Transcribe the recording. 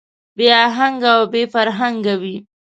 بې اهنګه او بې فرهنګه وي.